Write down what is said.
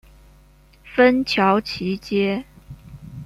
芬乔奇街。